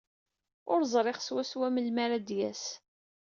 Ur ẓriɣ swaswa melmi ara d-yas.